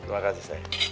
terima kasih sayang